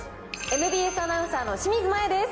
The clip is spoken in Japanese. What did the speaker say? ＭＢＳアナウンサーの清水麻耶です。